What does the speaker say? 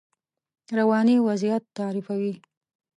رواني وضعیت تعریفوي.